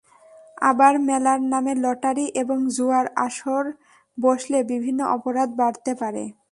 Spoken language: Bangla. আবার মেলার নামে লটারি এবং জুয়ার আসর বসলে বিভিন্ন অপরাধ বাড়তে পারে।